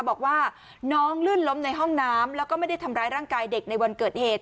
บอกว่าน้องลื่นล้มในห้องน้ำแล้วก็ไม่ได้ทำร้ายร่างกายเด็กในวันเกิดเหตุ